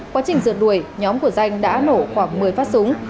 quá trình rượt đuổi nhóm của danh đã nổ khoảng một mươi phát súng